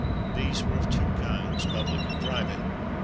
These were of two kinds, public and private.